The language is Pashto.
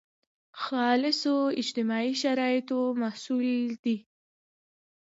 خاصو اجتماعي شرایطو محصول دی.